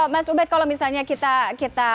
mas ubed kalau misalnya kita